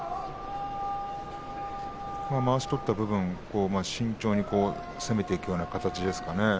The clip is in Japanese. まわしを取った分、慎重に攻めていくような形でしょうかね。